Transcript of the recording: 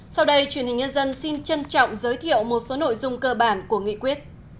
sau đây truyền hình nhân dân xin trân trọng giới thiệu một số nội dung cơ bản của nghị quyết